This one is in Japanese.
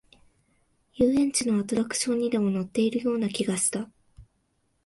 遊園地のアトラクションにでも乗っているような気がした